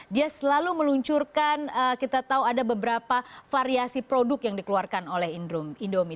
dia selalu meluncurkan kita tahu ada beberapa variasi produk yang dikeluarkan oleh indomie